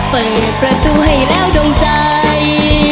เปิดประตูให้แล้วดงใจ